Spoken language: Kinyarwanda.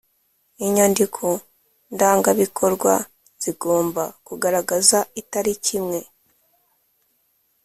Inyandiko ndangabikorwa zigomba kugaragaza itariki imwe